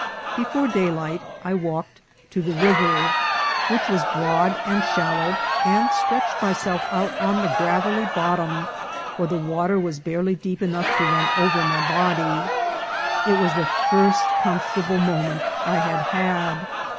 Before daylight I walked to the river, which was broad and shallow, and stretched myself out on the gravelly bottom, where the water was barely deep enough to run over my body. It was the first comfortable moment I had had.